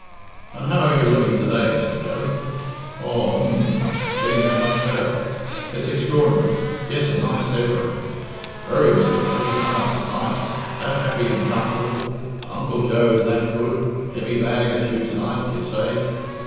"And how are you living to day, Mr. Kelly? Aw, h'm getting that much better it's extraordinary Yes, a nice everin', very, Mr. Kelly, nice, nice that happy and comfortable and Uncle Joe is that good heavy bag at you to night, you say?